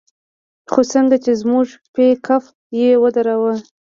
خو څنگه چې زموږ پېکپ يې ودراوه.